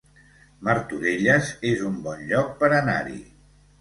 Martorelles es un bon lloc per anar-hi